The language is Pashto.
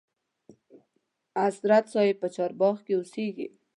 حضرت صاحب په چارباغ کې اوسیږي.